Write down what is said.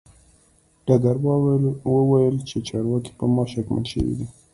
ډګروال وویل چې چارواکي په ما شکمن شوي دي